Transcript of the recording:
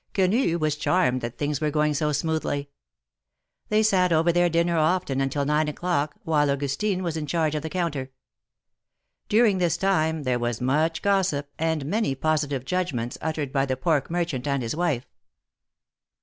Quenu was charmed that things were going so smoothly. They sat over their dinner often until nine o'clock, while Augustine was in charge of the counter. During this time there was much gossip and many positive judgments uttered by the pork merchant and his wife.